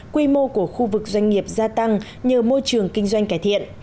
quy mô của khu vực doanh nghiệp gia tăng nhờ môi trường kinh doanh cải thiện